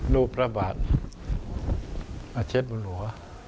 รูปพระบาทอาเช็ดบนหัว